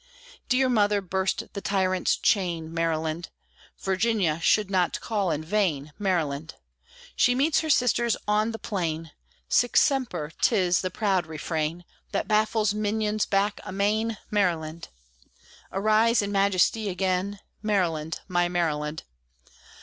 Dear Mother, burst the tyrant's chain, Maryland! Virginia should not call in vain, Maryland! She meets her sisters on the plain, "Sic semper!" 'tis the proud refrain That baffles minions back amain, Maryland! Arise in majesty again, Maryland, my Maryland!